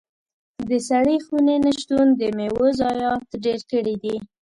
د سړې خونې نه شتون د میوو ضايعات ډېر کړي دي.